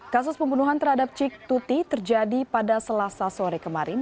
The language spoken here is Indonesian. kasus pembunuhan terhadap cik tuti terjadi pada selasa sore kemarin